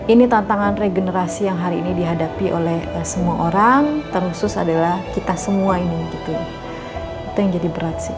ini tantangan regenerasi yang hari ini dihadapi oleh semua orang terhusus adalah kita semua ini gitu itu yang jadi berat sih